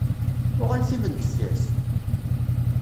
UƔal timendeffert!